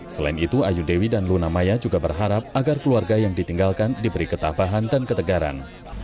selain itu ayu dewi dan luna maya juga berharap agar keluarga yang ditinggalkan diberi ketabahan dan ketegaran